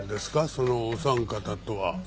そのお三方とは。